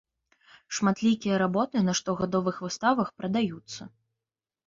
Шматлікія работы на штогадовых выставах прадаюцца.